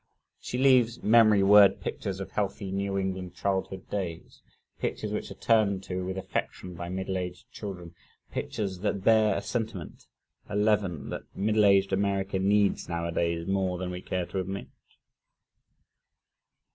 She leaves memory word pictures of healthy, New England childhood days, pictures which are turned to with affection by middle aged children, pictures, that bear a sentiment, a leaven, that middle aged America needs nowadays more than we care to admit.